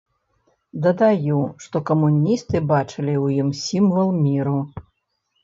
Дадаю, што камуністы бачылі ў ім сімвал міру.